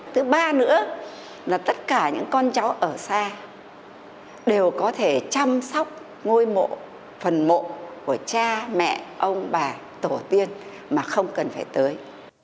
thứ ba nữa là tất cả những con cháu ở xa đều có thể chăm sóc ngôi mộ phần mộ của cha mẹ ông bà tổ tiên mà không cần phải tới